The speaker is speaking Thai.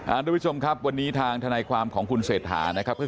ทุกผู้ชมครับวันนี้ทางทนายความของคุณเศรษฐานะครับ